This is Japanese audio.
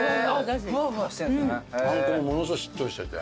あんこもものすごいしっとりしてて。